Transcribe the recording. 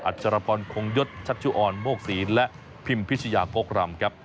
อัจฉรบรองคงยศชัตชุอรโมกศีและพิมพิชยากกรรมครับ